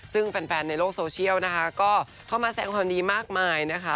ซึ่งแฟนในโลกโซเชียลนะคะก็เข้ามาแสงความดีมากมายนะคะ